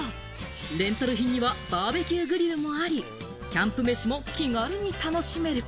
レンタル品にはバーベキューグリルもあり、キャンプ飯も気軽に楽しめる。